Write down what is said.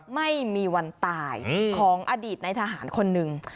ไม่มีวันตายของอดีตในทหารคนหนึ่ง